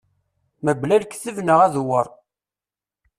Mebla lekteb neɣ adewwer.